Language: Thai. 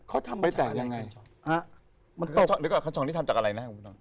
เขาทำไปแตกยังไงฮะมันตกคันช่องนี้ทำจากอะไรนะคุณผู้ชม